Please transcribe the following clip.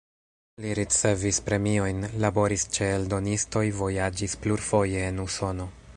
Li ricevis premiojn, laboris ĉe eldonistoj, vojaĝis plurfoje en Usono.